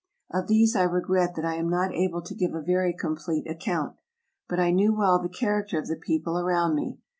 Of these I regret that I am not able to give a very complete account; but I knew well the character of the people around me.